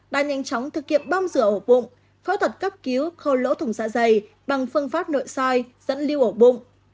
đã nhanh chóng thực kiệm bom rửa ổ bụng phẫu thuật cấp cứu khâu lỗ thủng dạ dày bằng phương pháp nội soi dẫn lưu ổ bụng